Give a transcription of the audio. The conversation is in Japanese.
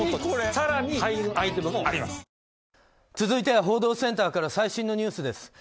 続いては報道センターから最新のニュースです。